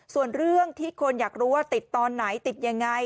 ส่วนเรื่องที่คนอยากรู้ว่าติดตอนไหนติดยังไง